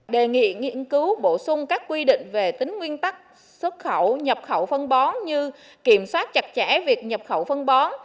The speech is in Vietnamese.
đề nghị nghiên cứu bổ sung các quy định về tính nguyên tắc xuất khẩu nhập khẩu phân bón như kiểm soát chặt chẽ việc nhập khẩu phân bón